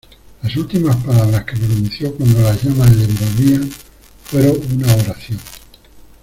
Las últimas palabras que pronunció cuando las llamas le envolvían fueron una oración.